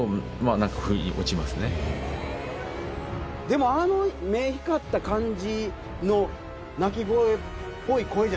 でもあの目光った感じの鳴き声っぽい声じゃないよね。